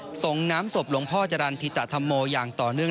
ส่งน้ำศพหลวงพ่อจรรย์ธิตธรรมโมอย่างต่อเนื่อง